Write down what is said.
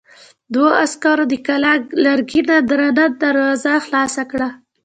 دوو عسکرو د کلا لرګينه درنه دروازه خلاصه کړه.